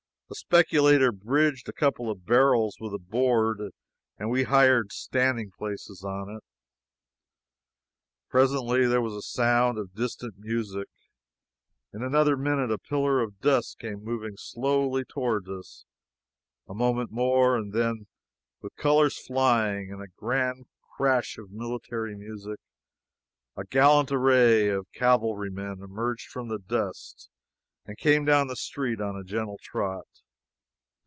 A speculator bridged a couple of barrels with a board and we hired standing places on it. Presently there was a sound of distant music; in another minute a pillar of dust came moving slowly toward us; a moment more and then, with colors flying and a grand crash of military music, a gallant array of cavalrymen emerged from the dust and came down the street on a gentle trot.